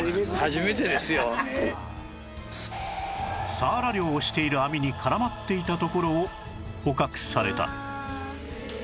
サワラ漁をしている網に絡まっていたところを捕獲された